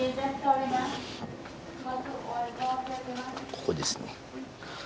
ここですね。